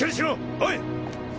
おい！